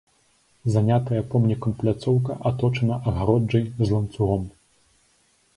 Занятая помнікам пляцоўка аточана агароджай з ланцугом.